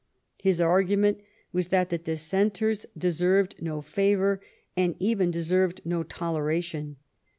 His argument was that the Dis senters deserved no favor, and even deserved no tolera tion.